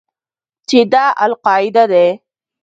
چې دا القاعده دى.